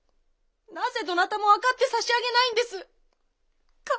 なぜどなたも分かってさしあげないんです。